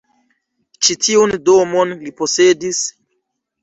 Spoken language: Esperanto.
Ĉi tiun domon li posedis.